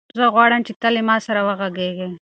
زه غواړم چې ته له ما سره وغږېږې.